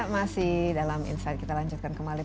baik kita istirahat sebentar